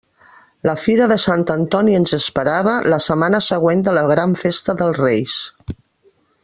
La fira de Sant Antoni ens esperava la setmana següent de la gran festa dels Reis.